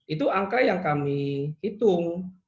itu angka yang kami hitung